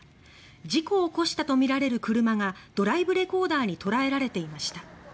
事故を起こしたとみられる車がドライブレコーダーに捉えられていました。